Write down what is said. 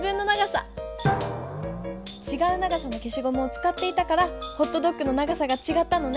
ちがう長さのけしごむをつかっていたからホットドッグの長さがちがったのね。